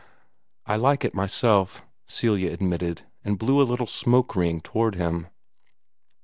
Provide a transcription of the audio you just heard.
"I like it myself," Celia admitted, and blew a little smoke ring toward him.